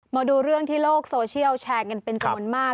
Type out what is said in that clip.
มาดูเรื่องที่โลกโซเชียลแชร์เงินเป็นตัวมนตร์มาก